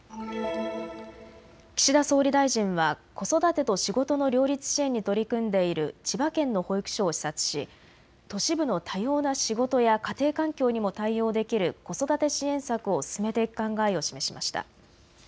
岸田総理大臣は子育てと仕事の両立支援に取り組んでいる千葉県の保育所を視察し都市部の多様な仕事や家庭環境にも対応できる子育て支援策を進めていく考えを示しました。